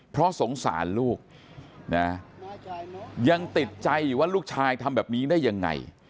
เพราะสงสารลูกนะยังติดใจอยู่ว่าลูกชายทำแบบนี้ได้ยังไง